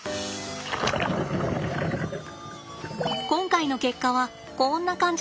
今回の結果はこんな感じです。